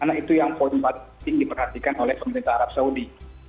karena itu yang paling penting diperhatikan oleh pemerintah arab saudi